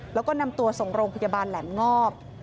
แล้วก็นำตัวส่งโรงพยาบาลแหลมงอบ